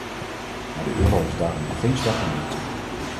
Maar de euro is daarom nog geen zwakke munt.